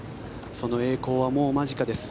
その栄光はもう間近です。